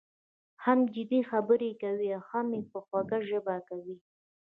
هم جدي خبره کوي او هم یې په خوږه ژبه کوي.